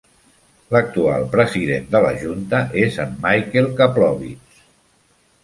L'actual president de la junta és en Michael Kaplowitz.